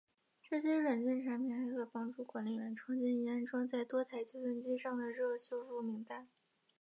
这些软件产品还可帮助管理员创建已安装在多台计算机上的热修复名单。